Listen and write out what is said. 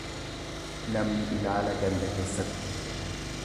Namni ilaala ganda keessatti.